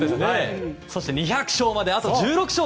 そして２００勝まであと１６勝。